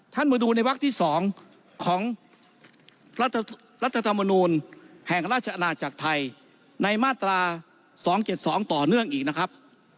มาดูในวักที่๒ของรัฐธรรมนูลแห่งราชอาณาจักรไทยในมาตรา๒๗๒ต่อเนื่องอีกนะครับ